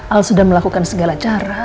al sudah melakukan segala cara